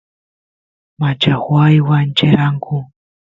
machajuay wancheranku